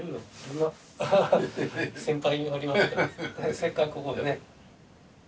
せっかくここでね。